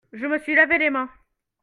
je me suis lavé les mains.